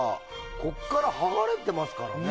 ここから剥がれてますからね。